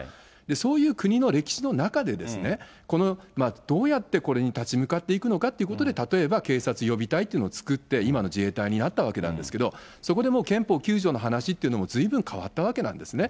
そういう国の歴史の中で、どうやってこれに立ち向かっていくのかということで、例えば警察予備隊ってのを作って、今の自衛隊になったわけなんですけれども、そこでもう憲法９条の話というのも、ずいぶん変わったわけなんですね。